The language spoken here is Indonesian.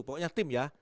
pokoknya tim ya